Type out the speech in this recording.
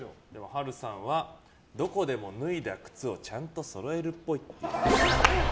波瑠さんはどこでも脱いだ靴をちゃんとそろえるっぽい。